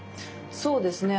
そうですね